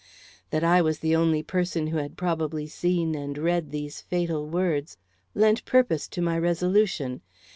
That I was the only person who had probably seen and read these fatal words, lent purpose to my resolution.